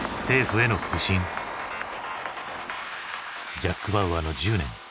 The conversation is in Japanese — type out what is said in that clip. ジャック・バウアーの１０年。